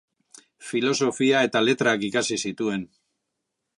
Filosofia eta Letrak ikasi zituen.